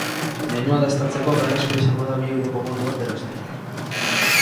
Menua dastatzeko beharrezkoa izango da bi euroko bonu bat erostea.